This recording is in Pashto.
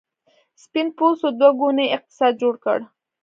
سپین پوستو دوه ګونی اقتصاد جوړ کړ.